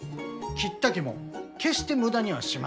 切った木も決して無駄にはしません。